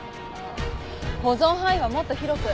保存範囲はもっと広く。